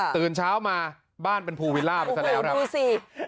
ตื่นเช้ามาบ้านเป็นภูวิลล่าไปซะแล้วครับดูสิ